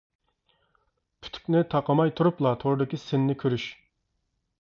پۈتۈكنى تاقىماي تۇرۇپلا توردىكى سىننى كۆرۈش.